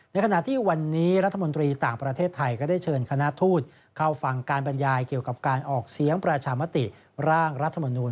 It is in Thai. ในขณะที่วันนี้รัฐมนตรีต่างประเทศก็ได้เชิญคณะทูตเข้าฟังการบรรยายเกี่ยวกับการออกเสียงประชามติร่างรัฐมนูล